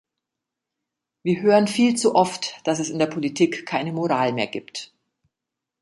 Wir hören viel zu oft, dass es in der Politik keine Moral mehr gibt.